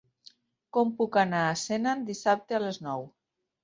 Com puc anar a Senan dissabte a les nou?